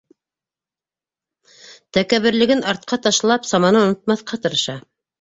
Тәкәбберлеген артҡа ташлап, саманы онотмаҫҡа тырыша.